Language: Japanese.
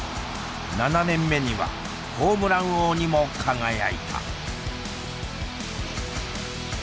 ７年目にはホームラン王にも輝いた。